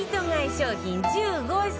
商品１５選